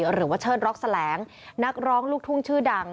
หรือว่าเชิดร็อกแสลงนักร้องลูกทุ่งชื่อดัง